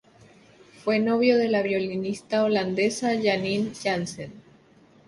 Fue novio de la violinista holandesa Janine Jansen.